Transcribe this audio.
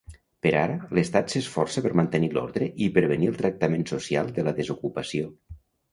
Per ara, l'Estat s'esforça per mantenir l'ordre i prevenir el tractament social de la desocupació.